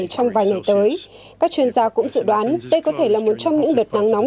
trong vài ngày tới các chuyên gia cũng dự đoán đây có thể là một trong những đợt nắng nóng